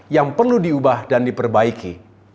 yang perlu diubah dan diperbaiki